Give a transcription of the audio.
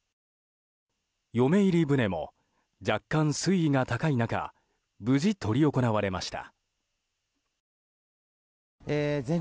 嫁入り舟も若干、水位が高い中無事執り行われました。